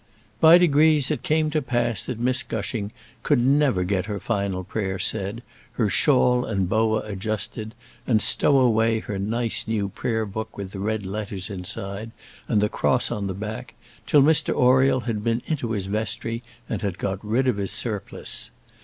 By degrees it came to pass that Miss Gushing could never get her final prayer said, her shawl and boa adjusted, and stow away her nice new Prayer Book with the red letters inside, and the cross on the back, till Mr Oriel had been into his vestry and got rid of his surplice.